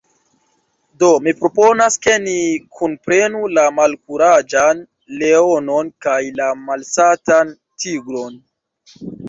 Do mi proponas ke ni kunprenu la Malkuraĝan Leonon kaj la Malsatan Tigron.